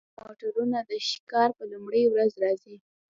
دا تفریحي موټرونه د ښکار په لومړۍ ورځ راځي